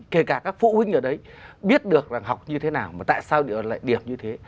kể cả các phụ huynh ở đấy biết được rằng học như thế nào mà tại sao lại điểm như thế